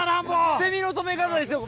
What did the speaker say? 捨て身の止め方ですよ。